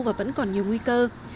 và vẫn còn nhiều nguy cơ